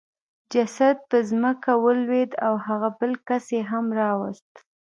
جسد په ځمکه ولوېد او هغه بل کس یې هم راوست